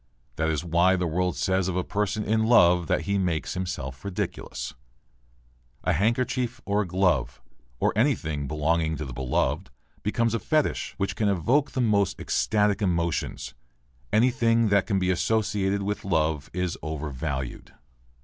That is why the world says of a person in love that he makes himself ridiculous. A handkerchief or a glove, or anything belonging to the beloved, becomes a fetich which can evoke the most ecstatic emotions. Anything that can be associated with love is overvalued.